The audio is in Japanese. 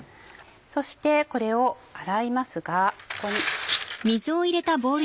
そしてこれを洗いますがここに。